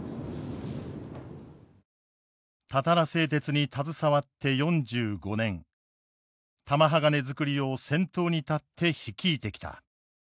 たたら製鉄に携わって４５年玉鋼づくりを先頭に立って率いてきた。